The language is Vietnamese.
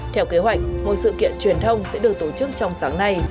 theo kế hoạch một sự kiện truyền thông sẽ được tổ chức trong sáng nay